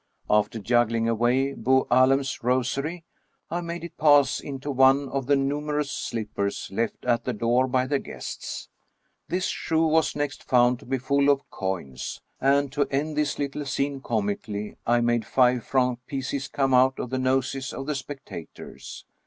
After juggling away Bou AUem's rosary, I made it pass into one of the numerous slippers left at the door by the guests ; this shoe was next found to be full of coins, and to end this little scene comically, I made five franc pieces come out of the noses of the spectators.